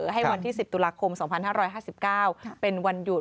ให้วันที่๑๐ตุลาคม๒๕๕๙เป็นวันหยุด